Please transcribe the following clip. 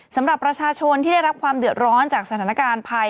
สำหรับประชาชนที่ได้รับความเดือดร้อนจากสถานการณ์ภัย